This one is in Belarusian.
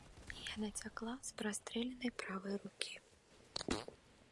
Яна цякла з прастрэленай правай рукі.